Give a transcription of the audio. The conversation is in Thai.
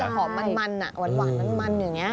มันจะหอมมันหวานมันอย่างนี้